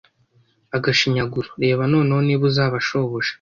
Agashinyaguro, reba noneho niba uzaba shobuja!